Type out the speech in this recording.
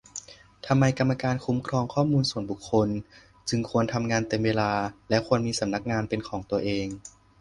ทำไม กรรมการคุ้มครองข้อมูลส่วนบุคคล จึงควรทำงานเต็มเวลา และควรมีสำนักงานเป็นของตัวเอง